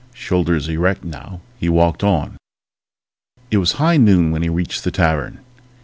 Shoulders erect now, he walked on ... It was high noon when he reached the tavern.